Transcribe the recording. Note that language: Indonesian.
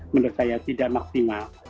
menurut saya tidak maksimal